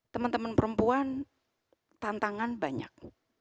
teman teman perempuan tantangan banyak